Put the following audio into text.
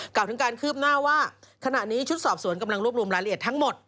ถึงการคืบหน้าว่าขณะนี้ชุดสอบสวนกำลังรวบรวมรายละเอียดทั้งหมด